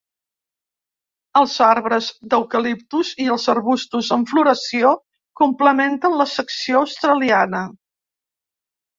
Els arbres d'eucaliptus i els arbustos en floració complementen la secció australiana.